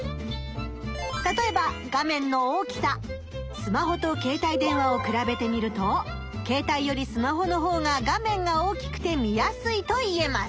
スマホと携帯電話を比べてみると携帯よりスマホのほうが画面が大きくて見やすいといえます。